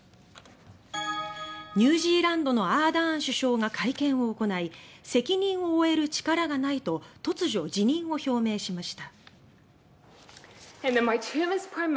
ニュージーランドのアーダーン首相が会見を行い責任を負える力がないと突如、辞任を表明しました。